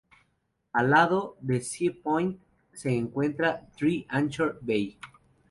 Al lado de Sea Point se encuentra Three Anchor Bay.